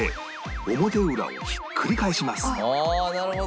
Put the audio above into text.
ああーなるほど！